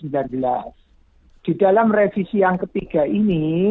di dalam revisi yang ketiga ini